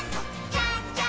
じゃんじゃん！